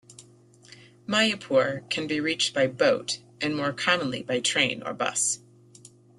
Mayapur can be reached by boat, and more commonly by train or bus.